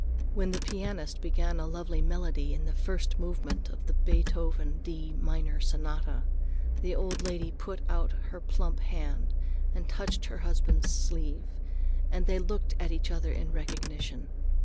When the pianist began a lovely melody in the first movement of the Beethoven D minor sonata, the old lady put out her plump hand and touched her husband's sleeve and they looked at each other in recognition.